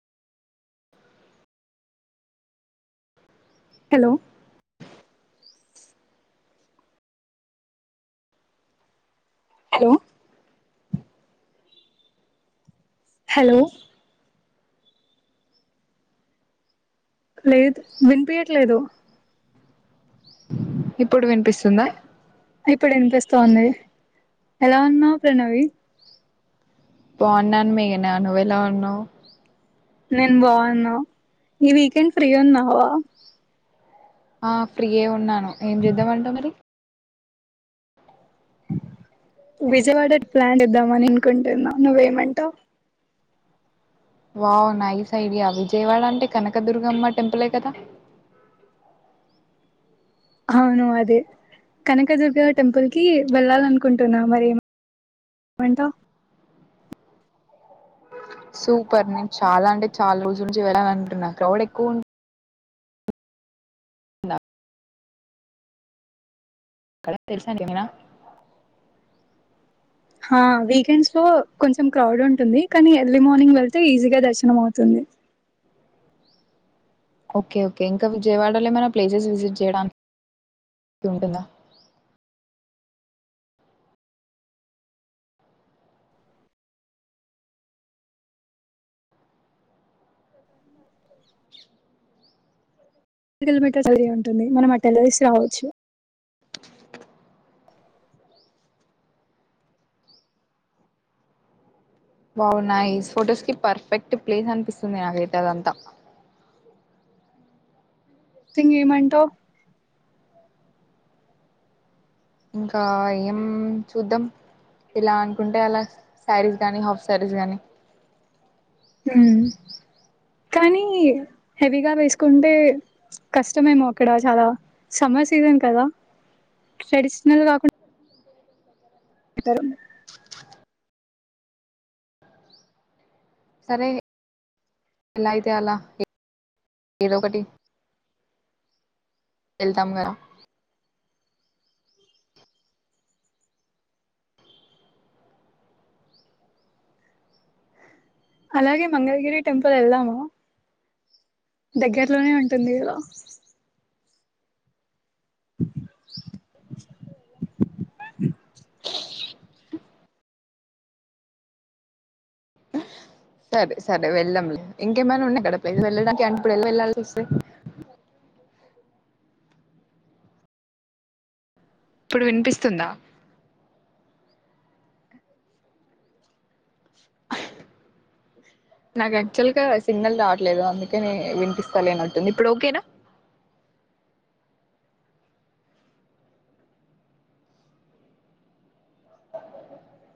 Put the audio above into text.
Hello hello hello లేదు వినిపియట్లేదు ఇప్పుడు వినిపిస్తుందా ఇప్పుడు వినిపూస్తుంది ఎలా ఉన్నావ్ ప్రణవి బాగున్నాను మేఘన నువ్వు ఎలా ఉన్నావు నేను బాగున్నా ఈ వీకెండ్ ఫ్రీగా ఉన్నావా ఆ ఫ్రీయే ఉన్నాను ఏం చేద్దామంటావు మరి విజయవాడ ప్లాన్ ఏద్దామని అనుకుంటున్నా నువ్వేమంటావు మరి వావ్ నైస్ ఐడియా విజయవాడ అంటే కనకదుర్గమ్మ టెంపులే కదా అవును అదే కనకదుర్గ టెంపుల్కి వెళ్ళాలి అనుకుంటున్నా మరి ఏమంటావు సూపర్ నేను చాలా అంటే చాలా రోజుల నుంచి వెళ్ళాలనుకుంటున్నా క్రౌడ్ ఎక్కువ ఉ క్కడ తెలుసా ఏమైనా ఆ వీకెండ్స్ లో కొంచెం క్రౌడ్ ఉంటుంది. కానీ ఎర్లీ మార్నింగ్ వెళ్ళితే ఈజీగా దర్శనం అవుతుంది ఓకే ఓకే ఇంకా విజయవాడలో ఏమైనా ప్లేసెస్ విజిట్ చేయడానికి ఉంటుందా [unintelligible] ఉంటుంది మనం అటూ వెళ్ళేసి రావచ్చు బావున్నాయి ఈ ఫొటోస్ కి పర్ఫెక్ట్ ప్లేస్ అనిపిస్తుంది నాకైతే అదంతా యితే ఏమంటావ్ ఇంకా ఏం చూద్దాం ఇలా అనుకుంటే అలా శారీస్ గానీ హాఫ్ శారీస్ గానీ కానీ హెవీగా వేసుకుంటే కష్టమేమో అక్కడ చాలా సమ్మర్ సీజన్ కదా ట్రెడిషనల్ కాకుండా ఇద్దరు సరే ఎలా అయితే అలా ఏదొ ఒకటి. వెళ్తాం కదా అలాగే మంగళగిరి టెంపుల్ వెళ్దామా. దగ్గర్లోనే ఉంటుంది కదా. [inaudible] సరే సరే వెళ్ళదాంలే ఇంకేమైనా ఉన్నాయా అక్కడ ప్లేస్ వెళ్ళడానికి అంటే ఎపుడైనా వెళ వెళ్ళాసివస్తే. ఇప్పుడు వినిపిస్తుందా. నాకు యాక్చువల్గా సిగ్నల్ రావట్లేదు. అందుకేనే వినిపిస్తాలేనట్టుంది ఇప్పుడు ఓకేనా,